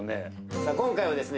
さあ今回はですね